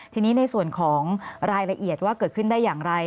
ทีนี้ในส่วนของรายละเอียดว่าเกิดขึ้นได้อย่างไร